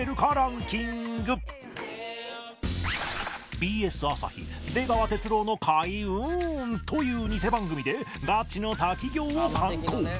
ＢＳ 朝日「出川哲朗の開うん！」という偽番組でガチの滝行を敢行